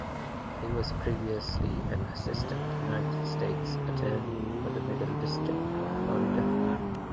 He was previously an Assistant United States Attorney for the Middle District of Florida.